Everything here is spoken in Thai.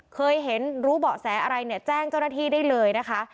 เคยเห็นรู้เบาะแสอะไรเนี่ยแจ้งเจ้าหน้าที่ได้เลยนะคะ